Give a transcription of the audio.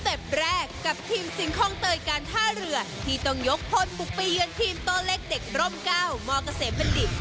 สเต็ปแรกกับทีมสิงห้องเตยการท่าเรือที่ต้องยกพลปลูกไปเยือนทีมโตะเล็กเด็กร่มเก้ามเกษมบรรดิ